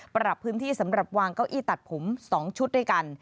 ปรับพื้นที่สำหรับวางเก้าอี้ตัดผม๒ชุดด้วยกัน